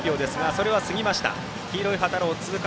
それは過ぎました。